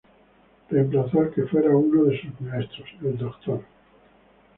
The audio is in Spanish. Reemplazó al que fuera uno de sus maestros, el Dr.